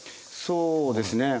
そうですね。